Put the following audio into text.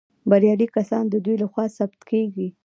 بریالي کسان د دوی لخوا ثبت کیږي.